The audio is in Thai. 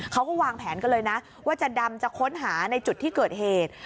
เขาก็วางแผนกันเลยนะว่าจะดำจะค้นหาในจุดที่เกิดเหตุ